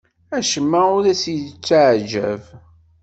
Acemma ur as-yettaɛjab.